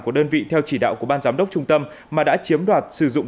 của đơn vị theo chỉ đạo của ban giám đốc trung tâm mà đã chiếm đoạt sử dụng